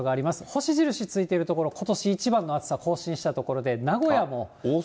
星印ついている所、ことし一番の暑さ更新した所で、名古屋も。